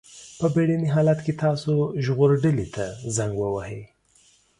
په بېړني حالت کې تاسو ژغورډلې ته زنګ ووهئ.